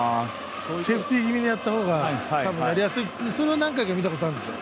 セーフティー気味にやったほうがやりやすい、何回か見たことあるんですよ。